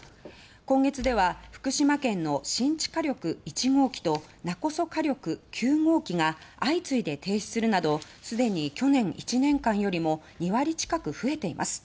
今月では福島県の新地火力１号機と勿来火力９号機が相次いで停止するなどすでに去年１年間よりも２割近く増えています。